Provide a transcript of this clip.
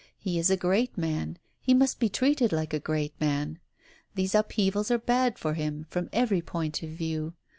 He is a great man — he must be treated like a great man. These upheavals are bad for him, from every point of view.